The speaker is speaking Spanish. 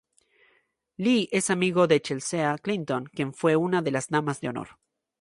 Lee es amigo de Chelsea Clinton quien fue una de las damas de honor.